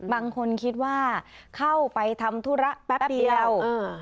บางคนคิดว่าเข้าไปทำธุระแป๊บเดียว